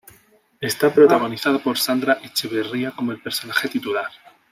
Está protagonizada por Sandra Echeverría como el personaje titular.